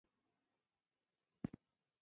وزې د زغم خاوند حیوان دی